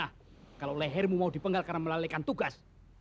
akhirnya mau dipenggalkan melalui tugas